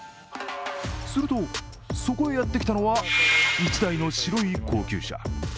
すると、そこへやってきたのは１台の白い高級車。